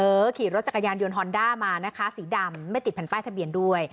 ขี่รถจักรยานยนต์ฮอนด้ามานะคะสีดำไม่ติดแผ่นป้ายทะเบียนด้วย